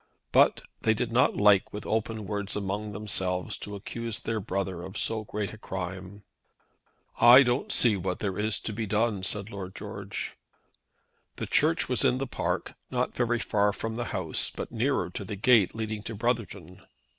But they did not like with open words among themselves to accuse their brother of so great a crime. "I don't see what there is to be done," said Lord George. The Church was in the park, not very far from the house, but nearer to the gate leading to Brotherton.